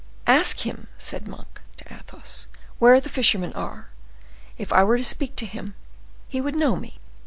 "Ask him," said Monk to Athos, "where the fishermen are; if I were to speak to him, he would know me."